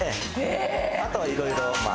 あとはいろいろまあ。